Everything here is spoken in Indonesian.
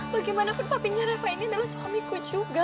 bagaimanapun papinya reva ini adalah suamiku juga